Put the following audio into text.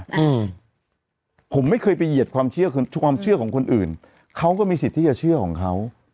อืมผมไม่เคยไปเหยียดความเชื่อของคนอื่นเขาก็มีสิทธิ์ที่จะเชื่อของเขา